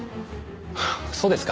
そうですか。